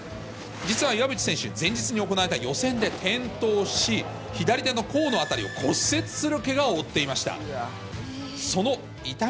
実は岩渕選手、前日に行われた予選で転倒し、左手の甲の辺りを骨折するけがを負っていました。